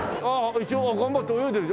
一応頑張って泳いでる。